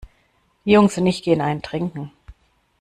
Die Jungs und ich gehen einen trinken.